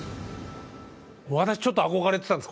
私ちょっと憧れてたんです